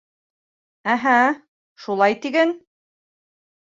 — Әһә, шулай тиген.